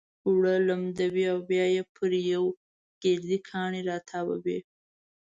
اوړه لمدوي او بيا يې پر يو ګردي کاڼي را تاووي.